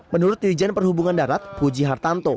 menurut dirjen perhubungan darat puji hartanto